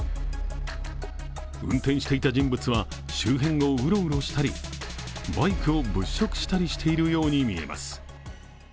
運転していた人物は周辺をうろうろしたりバイクを物色したりしているように見えます。